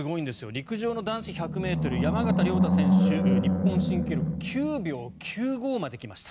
陸上の男子１００ｍ山縣亮太選手、日本新記録９秒９５まで来ました。